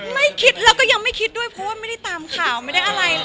ไม่คิดแล้วก็ยังไม่คิดด้วยเพราะว่าไม่ได้ตามข่าวไม่ได้อะไร